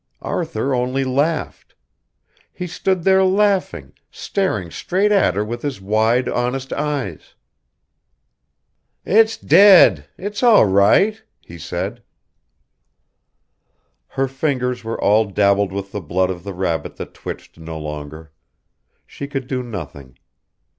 Arthur only laughed. He stood there laughing, staring straight at her with his wide honest eyes. "It's dead. It's all right," he said. Her fingers were all dabbled with the blood of the rabbit that twitched no longer. She could do nothing.